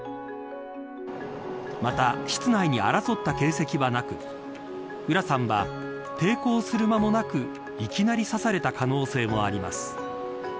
また、室内に争った形跡はなく浦さんは抵抗する間もなくいきなり刺された可能性もあります。